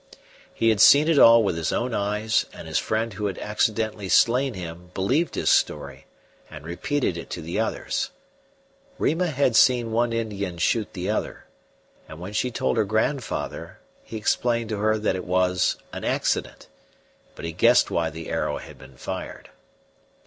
He had seen it all with his own eyes, and his friend who had accidentally slain him believed his story and repeated it to the others. Rima had seen one Indian shoot the other, and when she told her grandfather he explained to her that it was an accident, but he guessed why the arrow had been fired.